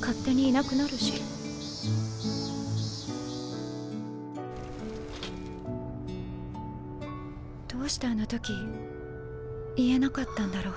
勝手にいなくなるしどうしてあの時言えなかったんだろう